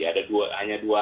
ada dua hanya dua